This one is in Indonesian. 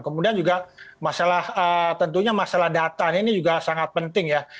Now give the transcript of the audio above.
kemudian juga masalah tentunya masalah data ini juga sangat penting ya